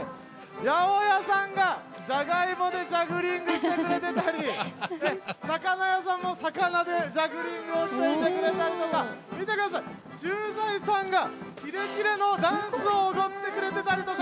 八百屋さんが、じゃがいもでジャグリングしてたり、魚屋さんも魚でジャグリングしていてくれたりとか、見てください、駐在さんがキレキレのダンスを踊ってくれてたりとか。